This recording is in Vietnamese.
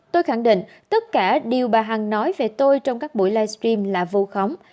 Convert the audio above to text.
tôi khẳng định tất cả điều bà hằng nói về tôi trong các buổi livestream là vu khống